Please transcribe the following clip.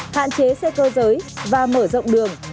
hạn chế xe cơ giới và mở rộng đường